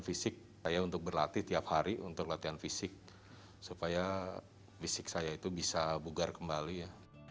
fisik saya untuk berlatih tiap hari untuk latihan fisik supaya fisik saya itu bisa bugar kembali ya